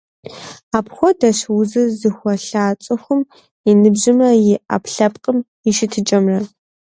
Апхуэдэщ узыр зыхуэлъа цӀыхум и ныбжьымрэ и Ӏэпкълъэпкъым и щытыкӀэмрэ.